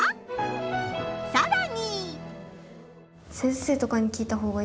さらに。